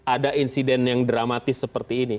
ada insiden yang dramatis seperti ini